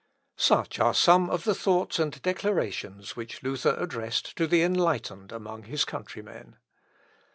Such are some of the thoughts and declarations which Luther addressed to the enlightened among his countrymen.